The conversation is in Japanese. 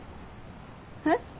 えっ？